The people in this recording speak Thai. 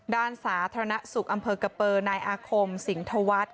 ด้านสาธารณสุขอำเภอกระเป๋อ๙อาคมสิงธวัฒน์